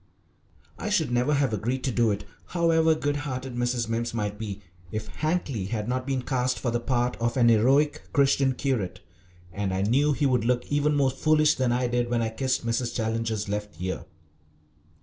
I should never have agreed to do it, however good hearted Mrs. Mimms might be, if Hankly had not been cast for the part of an heroic Christian curate, and I knew he would look even more foolish than I did when I kissed Mrs. Challenger's left ear.